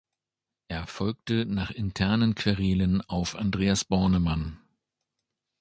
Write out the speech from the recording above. Er folgte nach internen Querelen auf Andreas Bornemann.